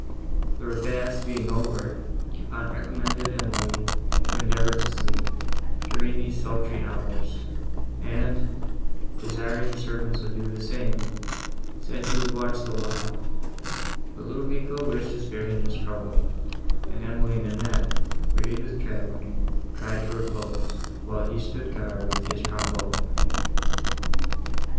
The repast being over, Du Pont recommended Emily to endeavour to sleep, during these sultry hours, and, desiring the servants would do the same, said he would watch the while; but Ludovico wished to spare him this trouble; and Emily and Annette, wearied with travelling, tried to repose, while he stood guard with his trombone.